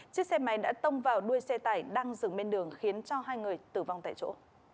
chiếc xe máy đã tông vào đuôi xe tải đang dừng bên đường khiến cho hai người tử vong tại chỗ